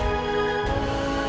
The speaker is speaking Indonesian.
kembali ke rumah saya